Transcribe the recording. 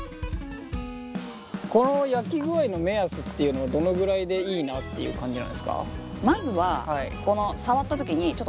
この焼き具合の目安っていうのはどのくらいでいいなっていう感じなんですか？